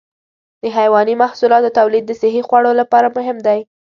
د حيواني محصولاتو تولید د صحي خوړو لپاره مهم دی.